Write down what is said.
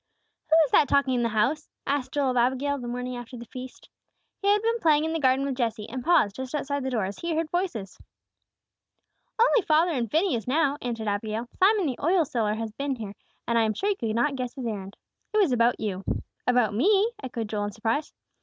"WHO is that talking in the house?" asked Joel of Abigail the morning after the feast. He had been playing in the garden with Jesse, and paused just outside the door as he heard voices. "Only father and Phineas, now," answered Abigail. "Simon the oil seller has just been here, and I am sure you could not guess his errand. It was about you." "About me?" echoed Joel, in surprise.